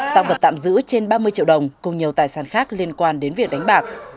tăng vật tạm giữ trên ba mươi triệu đồng cùng nhiều tài sản khác liên quan đến việc đánh bạc